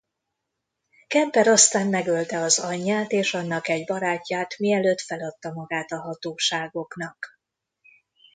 Kemper aztán megölte az anyját és annak egy barátját mielőtt feladta magát a hatóságoknak.